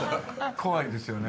怖いですよね